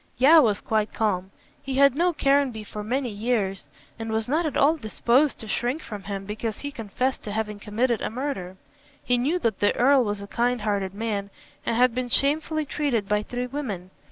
Yeo was quite calm. He had known Caranby for many years, and was not at all disposed to shrink from him because he confessed to having committed a murder. He knew that the Earl was a kind hearted man and had been shamefully treated by three women.